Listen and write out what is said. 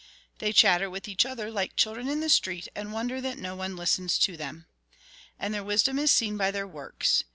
They chatter with each other like children in the street, and wonder that no one listens to them. And their wisdom is seen by their works.